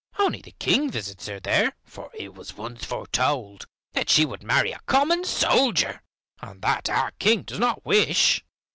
Only the King visits her there, for it was once foretold that she would marry a common soldier, and that our King does not wish."